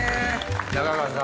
中川さん